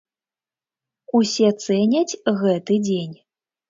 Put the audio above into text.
Усе цэняць гэты дзень.